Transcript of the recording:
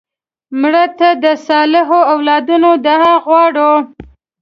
مړه ته د صالحو اولادونو دعا غواړو